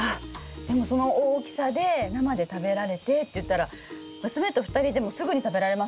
でもその大きさで生で食べられてっていったら娘と２人でもすぐに食べられますね。